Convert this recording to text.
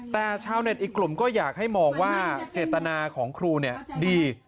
แต่ชาวเน็ตอีกกลุ่มก็อยากให้มองว่าเจตนาของครูดี